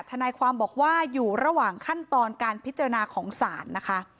ทนายความบอกว่าอยู่ระหว่างขั้นตอนการพิจารณาของศาลนะคะ